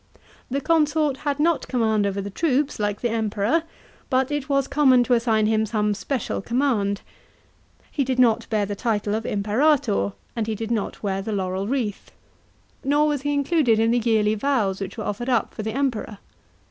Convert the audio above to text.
The consort had not command over the troops, like the Emperor, but it was common to assign him some special command. He did not bear the title of Imperator, and he did not wear the laurel wreath. Nor was he included in the yearly vows which were offered up for the Emperor.